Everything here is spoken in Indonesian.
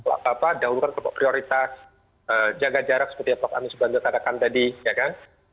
apa apa daurukan kelompok prioritas jaga jarak seperti yang pak amin subhanallah katakan tadi ya kan